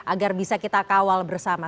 agar bisa kita kawal bersama